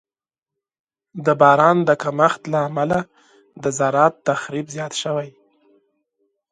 د باران د کمښت له امله د زراعت تخریب زیات شوی.